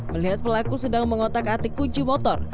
melihat pelaku sedang mengotak atik kunci motor